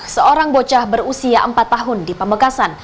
seorang bocah berusia empat tahun di pamekasan